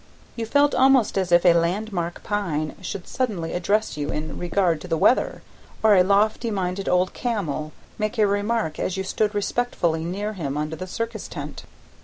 You felt almost as if a landmark pine should suddenly address you in regard to the weather, or a lofty minded old camel make a remark as you stood respectfully near him under the circus tent.